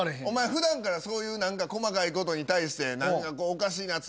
お前普段からそういう何か細かいことに対しておかしい